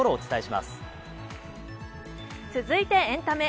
続いてエンタメ。